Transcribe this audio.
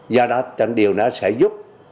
do đó chẳng điều đó sẽ giúp